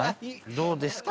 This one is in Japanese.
どうですか？